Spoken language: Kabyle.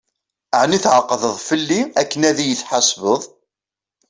Ɛni tεeqdeḍ-t fell-i akken ad yi-d-tḥesbeḍ?